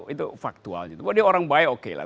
itu faktual buat dia orang baik oke lah